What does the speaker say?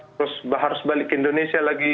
terus harus balik ke indonesia lagi